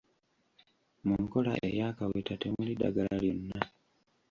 Mu nkola ey’akaweta temuli ddagala lyonna.